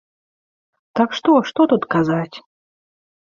Так што, што тут казаць?